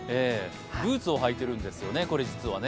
ブーツを履いてるんですよね、これ、実はね。